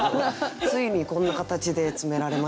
ついにこんな形で詰められましてね。